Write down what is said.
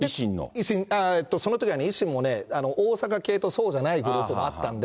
そのときは維新も、大阪系とそうじゃないグループとがあったんで。